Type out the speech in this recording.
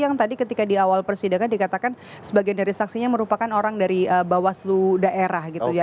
yang tadi ketika di awal persidangan dikatakan sebagian dari saksinya merupakan orang dari bawaslu daerah gitu ya